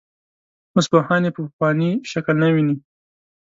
اوس پوهان یې په پخواني شکل نه ویني.